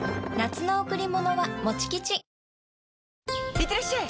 いってらっしゃい！